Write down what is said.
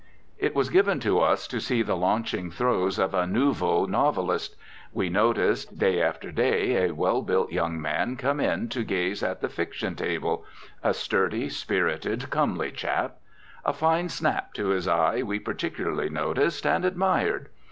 It was given to us to see the launching throes of a nouveau novelist. We noticed day after day a well built young man come in to gaze at the fiction table, a sturdy, spirited, comely chap. A fine snap to his eye we particularly noticed, and admired.